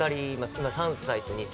今、３歳と２歳。